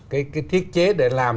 cái thiết chế để làm